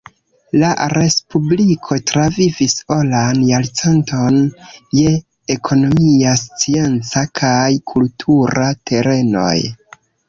La respubliko travivis oran jarcenton je ekonomia, scienca kaj kultura terenoj.